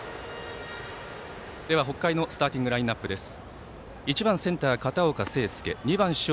では、北海のスターティングラインアップです。